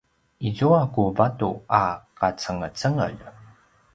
izua ku vatu a qacengecengel